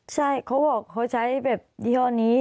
ใช่เขาบอกเขาใช้แบบยี่ห้อนี้